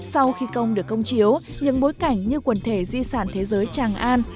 sau khi công được công chiếu những bối cảnh như quần thể di sản thế giới tràng an